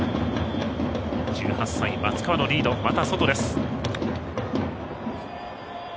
１８歳、松川のリードです。